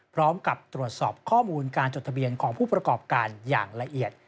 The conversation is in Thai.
พร้อมกับตรวจสอบข้อมูลการจดทะเบียนของผู้ประกอบการอย่างละเอียด